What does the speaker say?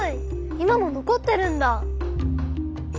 今ものこってるんだ！